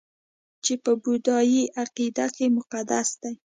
چې په بودايي عقیده کې مقدس دي